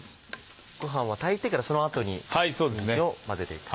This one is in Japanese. ごはんは炊いてからその後ににんじんを混ぜていく。